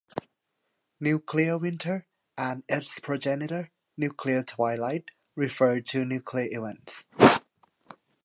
"Nuclear winter," and its progenitor, "nuclear twilight," refer to nuclear events.